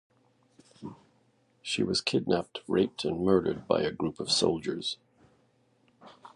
She was kidnapped, raped and murdered by a group of soldiers.